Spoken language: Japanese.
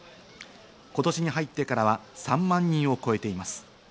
今年に入ってからは３万人を超えています。